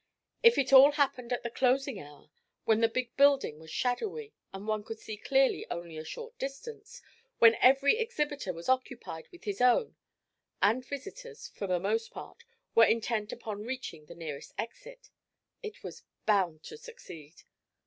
If it all happened at the closing hour, when the big building was shadowy and one could see clearly only a short distance, when every exhibitor was occupied with his own, and visitors, for the most part, were intent upon reaching the nearest exit it was bound to succeed.